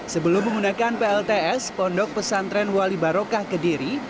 sebelum menggunakan plts pondok pesantren wali barokah kediri